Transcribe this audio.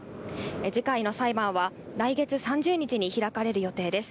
次回の裁判は、来月３０日に開かれる予定です。